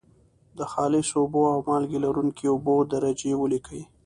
د خالصو اوبو او مالګې لرونکي اوبو درجې ولیکئ.